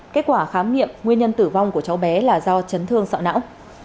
kết quả khám nghiệm nguyên nhân tử vong của cháu bé là do chấn thương sọ não